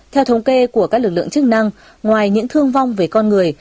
theo thống kê của các lực lượng chức năng ngoài những thương vong về con người